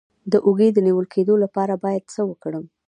د اوږې د نیول کیدو لپاره باید څه وکړم؟